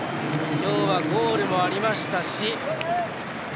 今日はゴールもありました。